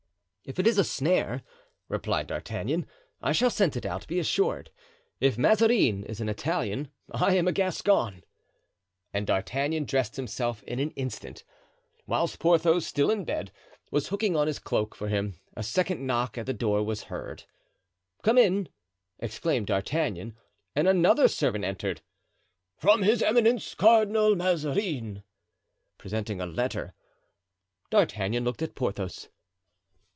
"If it is a snare," replied D'Artagnan, "I shall scent it out, be assured. If Mazarin is an Italian, I am a Gascon." And D'Artagnan dressed himself in an instant. Whilst Porthos, still in bed, was hooking on his cloak for him, a second knock at the door was heard. "Come in," exclaimed D'Artagnan; and another servant entered. "From His Eminence, Cardinal Mazarin," presenting a letter. D'Artagnan looked at Porthos.